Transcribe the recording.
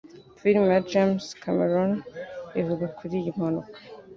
film ya James Cameron ivuga kuri iyi mpanuka